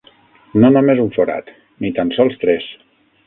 No només un forat, ni tan sols tres.